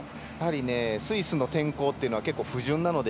スイスの天候っていうのは結構不順なので。